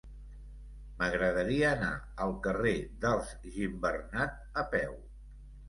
M'agradaria anar al carrer dels Gimbernat a peu.